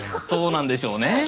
そうなんでしょうね。